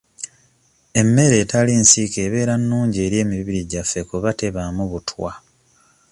Emmere etali nsiike ebeera nnungi eri emibiri gyaffe kuba tebaamu butwa.